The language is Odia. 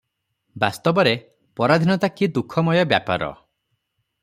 ବାସ୍ତବରେ ପରାଧୀନତା କି ଦୁଃଖମୟ ବ୍ୟାପାର ।